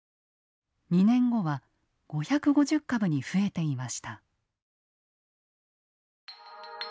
２年後は５５０株に増えていました。